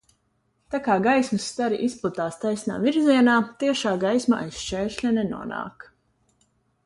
Tā kā gaismas stari izplatās taisnā virzienā, tiešā gaisma aiz šķēršļa nenonāk.